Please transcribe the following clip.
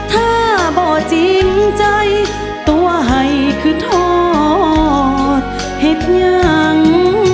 ถ้าบ่จริงใจตัวให้คือทอดเห็นยัง